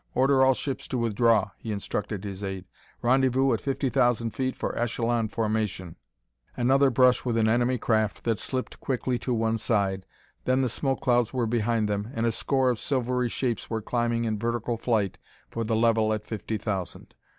Order all ships to withdraw," he instructed his aide. "Rendezvous at fifty thousand feet for echelon formation." Another brush with an enemy craft that slipped quickly to one side then the smoke clouds were behind them, and a score, of silvery shapes were climbing in vertical flight for the level at fifty thousand.